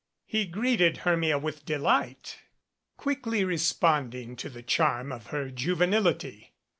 He greeted Hermia with delight, quickly responding to the charm of her juvenility.